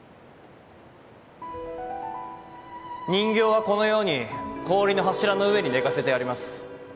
人形はこのように氷の柱の上に寝かせてあります。